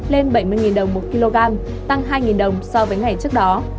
lên bảy mươi đồng một kg tăng hai đồng so với ngày trước đó